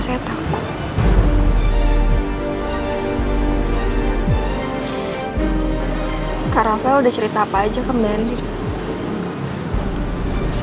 saya gak berani cerita ke suami saya